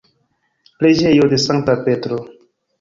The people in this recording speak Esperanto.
Preĝejo de Sankta Petro.